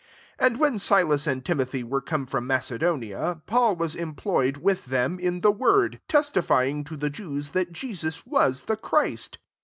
5 And when Silas and Ti mothy were come from' Mace donia, Paul was employed, with them, in the word, testifying to the Jews that Jesus was the Christ.